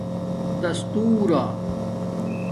دستورا